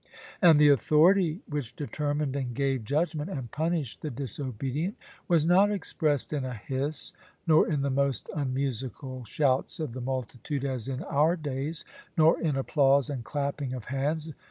And the authority which determined and gave judgment, and punished the disobedient, was not expressed in a hiss, nor in the most unmusical shouts of the multitude, as in our days, nor in applause and clapping of hands.